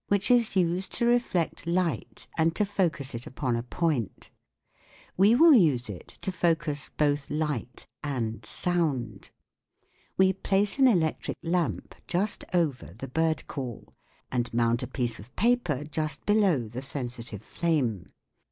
16) which is used to reflect light and to focus it upon a point : we will use it to focus both light and sound. We place an electric lamp just over the bird call, and mount a piece of paper just below the sensitive flame.